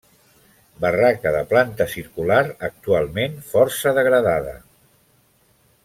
Barraca de planta circular actualment força degradada.